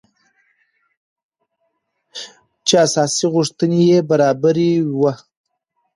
چې اساسي غوښتنې يې برابري وه .